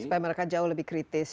supaya mereka jauh lebih kritis